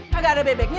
kagak ada bebeknya